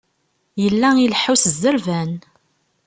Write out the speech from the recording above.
Yella ileḥḥu s zzerban.